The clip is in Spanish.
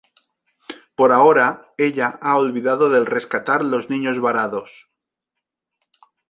Por ahora, ella ha olvidado del rescatar los niños varados.